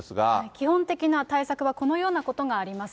基本的な対策はこのようなことがあります。